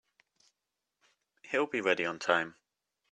He'll be ready on time.